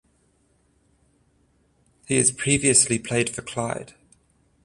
He has previously played for Clyde.